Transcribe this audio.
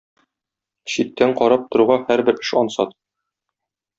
Читтән карап торуга һәрбер эш ансат.